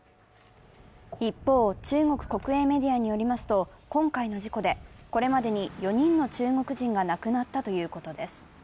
一方、中国国営メディアによりますと、今回の事故でこれまでに４人の中国人が亡くなったということです。